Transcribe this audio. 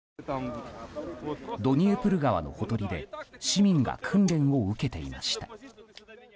ドニエプル川のほとりで市民が訓練を受けていました。